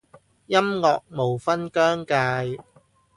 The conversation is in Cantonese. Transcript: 音樂無分彊界